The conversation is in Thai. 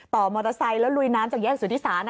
มอเตอร์ไซค์แล้วลุยน้ำจากแยกสุธิศาล